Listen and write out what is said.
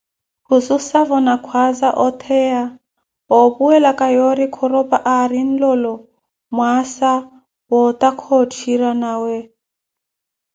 Khususavo na khwaaza otheya, oopuwelaka yoori Khoropa aari nlolo mwaasa wootakha otthira nawe.